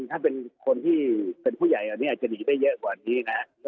ถ้าเป็นคนที่เป็นผู้ใหญ่อันนี้อาจจะหนีได้เยอะกว่านี้นะ